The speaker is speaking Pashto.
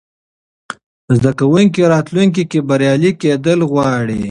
زده کوونکي راتلونکې کې بریالي کېدل غواړي.